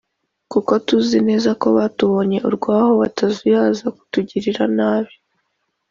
Kuko tuzi neza ko batubonye urwaho batazuyaza kutugirira nabi